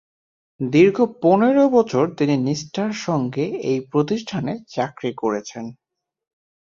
দীর্ঘ পনের বছর তিনি নিষ্ঠার সঙ্গে এই প্রতিষ্ঠানে চাকরি করেছেন।